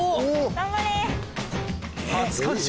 頑張れ！